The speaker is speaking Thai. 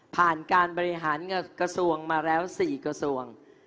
ผ่านการบริหารกระทรวงมาแล้ว๔กระทรวง